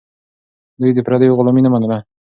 دوی د پردیو غلامي نه منله.